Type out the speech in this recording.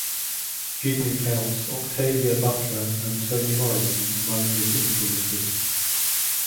Gidney counts Octavia Butler and Toni Morrison among his influences.